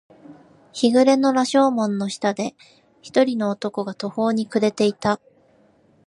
日暮れの羅生門の下で、一人の男が途方に暮れていた。